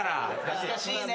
懐かしいね。